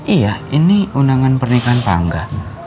iya ini undangan pernikahan tangga